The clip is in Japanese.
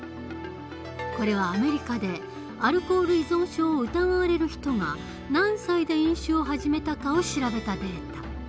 これはアメリカでアルコール依存症を疑われる人が何歳で飲酒を始めたかを調べたデータ。